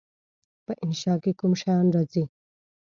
په انشأ کې کوم شیان راځي؟